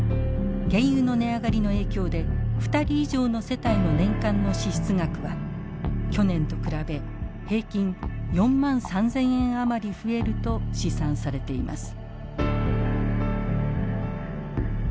原油の値上がりの影響で２人以上の世帯の年間の支出額は去年と比べ平均４万３，０００円余り増えると試算されています。